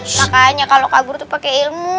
makanya kalau kabur itu pakai ilmu